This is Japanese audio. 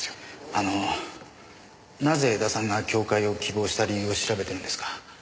あのなぜ江田さんが教誨を希望した理由を調べてるんですか？